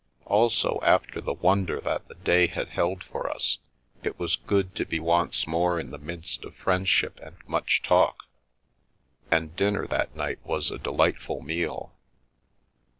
Also, after the wonder that the day had held for us, it was good to be once more in the midst of friendship and much talk, and dinner that night was a delightful meal.